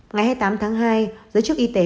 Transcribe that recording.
ngày hai mươi tám tháng hai giới chức y tế